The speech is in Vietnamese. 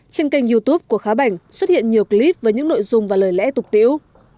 trên kênh youtube của khá bảnh xuất hiện nhiều clip với những nội dung và lời lẽ tục tiểu